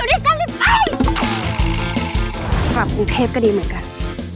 มีบริษัทที่กรุงเทพส่งเมลมาเสนองานที่ทำการตลาดนี้